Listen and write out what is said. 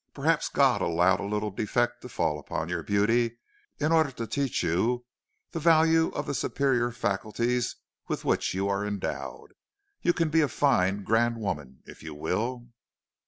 Perhaps God allowed a little defect to fall upon your beauty, in order to teach you the value of the superior faculties with which you are endowed. You can be a fine, grand woman, if you will.'